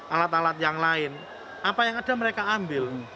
alat alat yang lain apa yang ada mereka ambil